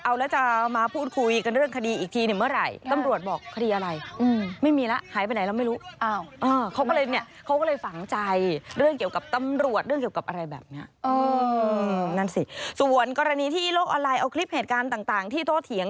เอาแล้วจะมาพูดคุยกันเรื่องคดีอีกทีเนี่ยเมื่อไหร่